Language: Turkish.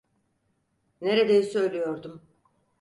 Neredeyse ölüyordum.